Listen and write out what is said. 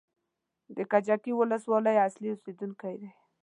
د کجکي ولسوالۍ اصلي اوسېدونکی دی.